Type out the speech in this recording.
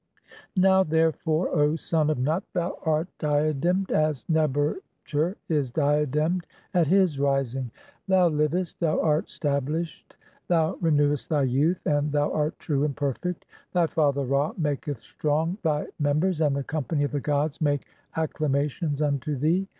(25) Now therefore, O son of Nut, thou art HYMN TO OSIRIS. 345 "diademed as (26) Neb er tcher is diademed at his rising. Thou "livest, (27) thou art stablished, thou renewest thy youth, and "thou art true and perfect ; thy father Ra maketh strong thy "members, and the company of the gods make acclamations unto "thee.